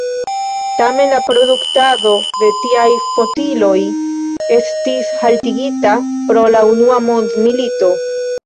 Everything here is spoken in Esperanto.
Tamen la produktado de tiaj fotiloj estis haltigita pro la unua mondmilito.